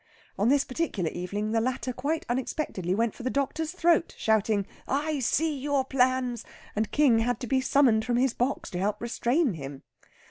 On this particular evening the latter quite unexpectedly went for the doctor's throat, shouting, "I see your plans!" and King had to be summoned from his box to help restrain him.